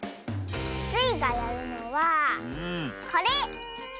スイがやるのはこれ！